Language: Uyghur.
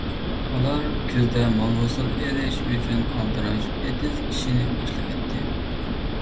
ئۇلار كۈزدە مول ھوسۇل ئېلىش ئۈچۈن ئالدىراش ئېتىز ئىشىنى باشلىۋەتتى.